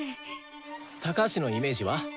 高橋のイメージは？